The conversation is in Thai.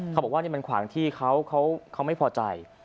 เขาบอกว่านี่มันขวางที่เขาไม่พอใจ